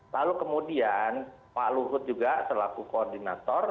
lalu kemudian pak luhut juga selaku koordinator